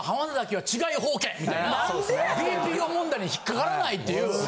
みたいなＢＰＯ問題にひっかからないっていう。